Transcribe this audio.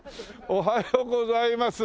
おはようございます。